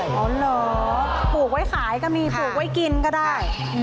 อ๋อเหรอปลูกไว้ขายก็มีปลูกไว้กินก็ได้